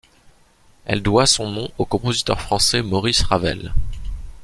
Elle doit son nom au compositeur français Maurice Ravel.